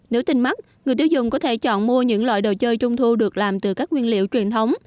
nếu tin mắt người tiêu dùng có thể chọn mua những loại đồ chơi trung thu được làm từ các nguyên liệu truyền thống